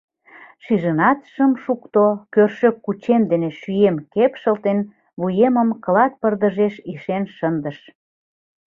Шижынат шым шукто, кӧршӧк кучем дене шӱем кепшылтен, вуемым клат пырдыжеш ишен шындыш.